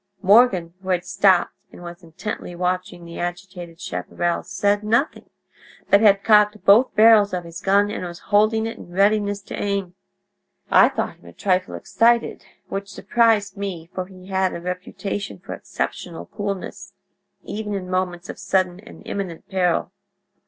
"Morgan, who had stopped and was intently watching the agitated chaparral, said nothing, but had cocked both barrels of his gun, and was holding it in readiness to aim. I thought him a trifle excited, which surprised me, for he had a reputation for exceptional coolness, even in moments of sudden and imminent peril.